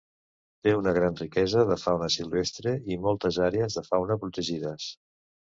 Té una gran riquesa de fauna silvestre i moltes àrees de fauna protegides.